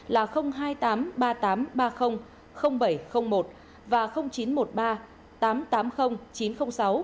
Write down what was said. là hai mươi tám ba mươi tám ba mươi bảy trăm linh một và chín trăm một mươi ba tám trăm tám mươi chín trăm linh sáu